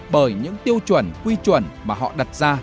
bởi những tiêu chuẩn quy chuẩn mà họ đặt ra